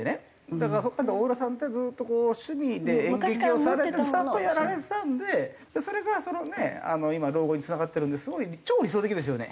だからそう考えると大浦さんってずっとこう趣味で演劇をずっとやられてたんでそれがそのね今老後につながってるんですごい超理想的ですよね。